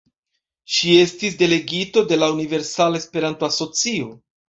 Ŝi estis delegito de la Universala Esperanto-Asocio.